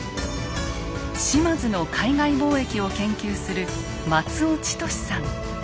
島津の海外貿易を研究する松尾千歳さん。